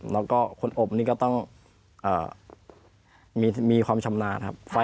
แล้วก็คนอบนี่ก็ต้องมีความชำนาญครับ